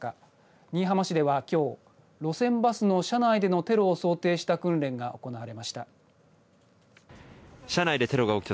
新居浜市ではきょう路線バスの車内でのテロを想定した訓練が行われました。